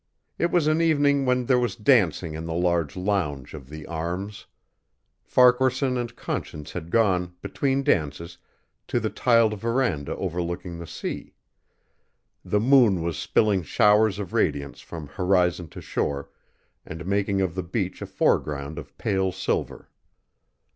It was an evening when there was dancing in the large lounge of The Arms. Farquaharson and Conscience had gone, between dances, to the tiled veranda overlooking the sea. The moon was spilling showers of radiance from horizon to shore, and making of the beach a foreground of pale silver.